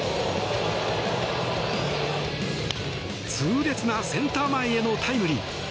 痛烈なセンター前へのタイムリー。